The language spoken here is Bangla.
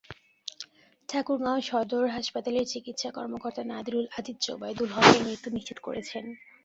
ঠাকুরগাঁও সদর হাসপাতালের চিকিৎসা কর্মকর্তা নাদিরুল আজিজ জোবায়দুল হকের মৃত্যু নিশ্চিত করেছেন।